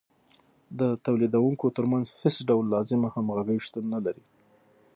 د تولیدونکو ترمنځ هېڅ ډول لازمه همغږي شتون نلري